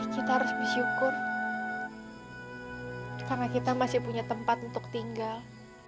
kita harus bersyukur karena kita masih punya tempat untuk tinggal